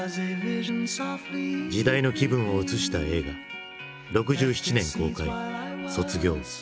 時代の気分を映した映画６７年公開「卒業」。